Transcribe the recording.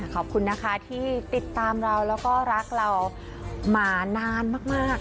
ขอบคุณนะคะที่ติดตามเราแล้วก็รักเรามานานมาก